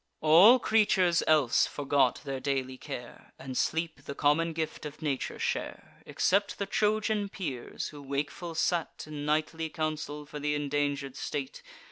All creatures else forgot their daily care, And sleep, the common gift of nature, share; Except the Trojan peers, who wakeful sate In nightly council for th' indanger'd state.